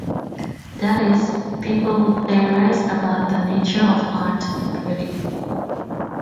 That is, people who theorize about the nature of art and beauty.